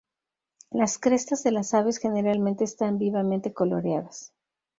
Las crestas de las aves generalmente están vivamente coloreadas.